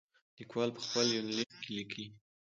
ليکوال په خپل يونليک کې ليکي.